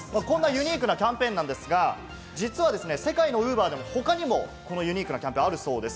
ユニークなキャンペーンですが、実は世界のＵｂｅｒでは他にもこのユニークなキャンペーン、あるそうです。